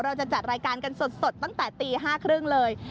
เราจะจัดรายการกันสดตั้งแต่ตี๕๓๐เลย